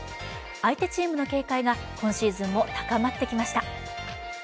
相手チームの警戒が今シーズンも高まってきました。